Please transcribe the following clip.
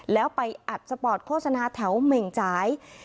แล้วไปอัดสปอร์ตโฆษณาแถวเหม่งจ่าย